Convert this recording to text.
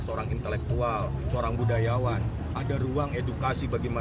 herdiat berencana melaporkan ridwan saidi ke pihak kepolisian